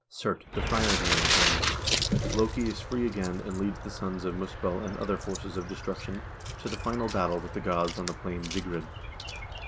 Surt, the fire demon, comes ; Loke is free again and leads the sons of Muspell 2 and other forces of destruction to the final battle with the gods on the plain Vigrid.